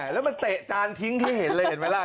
แล้วมาเตะจานทิ้งทิ้งเห็นพูดไหมล่ะ